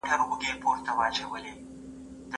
کباب په ټول بازار کې تر ټولو خوندور خوراک و.